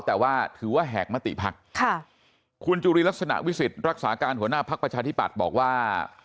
แต่ว่าถือว่าแหกมติพักค่ะคุณจุรีลักษณะวิสิทธิ์รักษาการหัวหน้าภักดิ์ประชาธิปัตย์บอกว่า